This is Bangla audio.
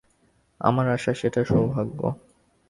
আমার আশা সেটা সৌভাগ্য।